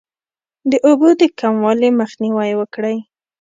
د اوبو د کموالي مخنیوی وکړئ.